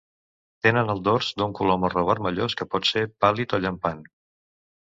Tenen el dors d'un color marró vermellós que pot ser pàl·lid o llampant.